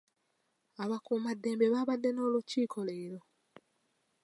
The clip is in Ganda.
Abakuumaddembe babadde n'olukiiko leero.